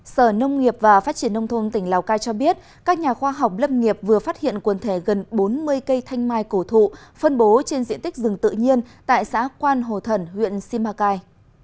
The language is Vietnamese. sở nông nghiệp và phát triển nông thôn tỉnh lào cai cho biết các nhà khoa học lâm nghiệp vừa phát hiện quần thể gần bốn mươi cây thanh mai cổ thụ phân bố trên diện tích rừng tự nhiên tại xã quan hồ thần huyện simacai